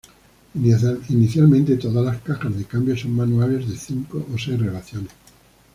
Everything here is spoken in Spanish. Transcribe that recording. Inicialmente todas las cajas de cambio son manuales de cinco o seis relaciones.